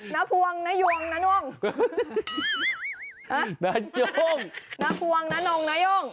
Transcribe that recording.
น้าภวงน้านงน้าย่ง